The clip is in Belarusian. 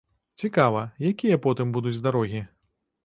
Цікава, якія потым будуць дарогі.